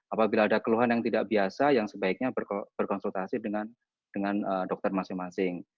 apabila ada keluhan yang tidak biasa yang sebaiknya berkonsultasi dengan dokter masing masing